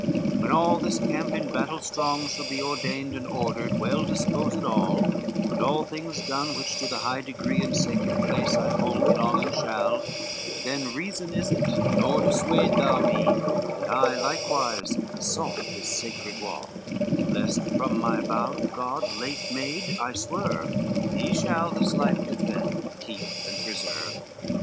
XXIV "When all this camp in battle strong shall be Ordained and ordered, well disposed all, And all things done which to the high degree And sacred place I hold belongen shall; Then reason is it, nor dissuade thou me, That I likewise assault this sacred wall, Lest from my vow to God late made I swerve: He shall this life defend, keep and preserve."